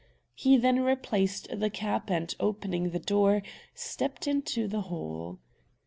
He then replaced the cap and, opening the door, stepped into the hall.